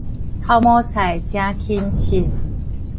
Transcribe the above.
頭毛菜誠輕秤